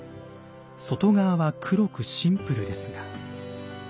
外側は黒くシンプルですが。